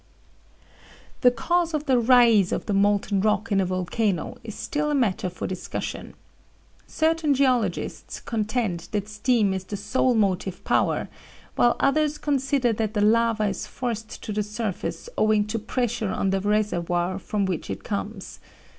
"The cause of the rise of the molten rock in a volcano is still a matter for discussion. Certain geologists contend that steam is the sole motive power; while others consider that the lava is forced to the surface owing to pressure on the reservoir from which it comes.